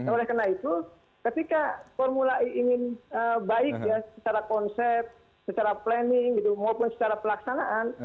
oleh karena itu ketika formula e ingin baik ya secara konsep secara planning gitu maupun secara pelaksanaan